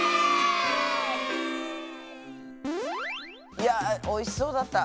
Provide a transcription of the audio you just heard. いやおいしそうだった。